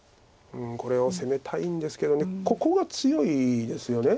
これを攻めたいんですけどここが強いですよね。